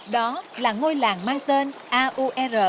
đó là ngôi làng mang tên aua